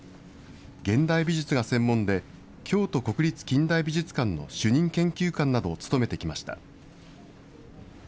現代美術が専門で、京都国立近代美術館の主任研究官などを務めてきました。